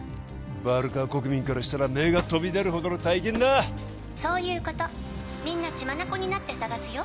バルカ国民からしたら目が飛び出るほどの大金だ「そういうことみんな血眼になって捜すよ」